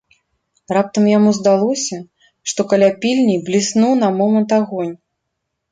Раптам яму здалося, што каля пільні бліснуў на момант агонь.